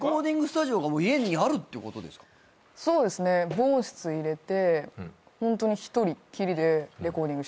防音室入れてホントに１人っきりでレコーディングしてます。